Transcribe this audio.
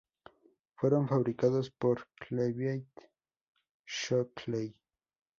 Fueron fabricados por Clevite-Shockley.